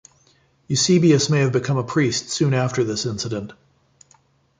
Eusebius may have become a priest soon after this incident.